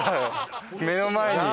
目の前に。